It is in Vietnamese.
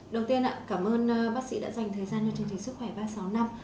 đầu tiên cảm ơn bác sĩ đã dành thời gian cho chương trình sức khỏe ba trăm sáu mươi năm